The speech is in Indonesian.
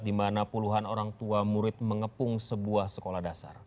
di mana puluhan orang tua murid mengepung sebuah sekolah dasar